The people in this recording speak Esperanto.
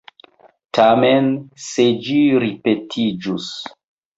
Tamen se ĝi ripetiĝus.